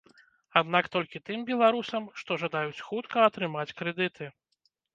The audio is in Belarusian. Аднак толькі тым беларусам, што жадаюць хутка атрымаць крэдыты.